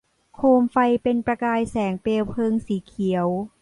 โคมไฟเป็นประกายแสงเปลวเพลิงสีเขียว